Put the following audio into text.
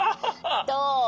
どう？